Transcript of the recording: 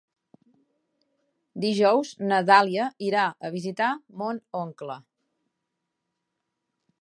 Dijous na Dàlia irà a visitar mon oncle.